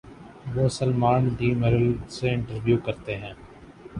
وہ Salman Demirel سے interview کرتے ہیں۔